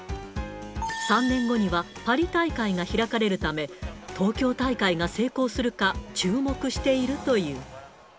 ３年後にはパリ大会が開かれるため、東京大会が成功するか注目しているという。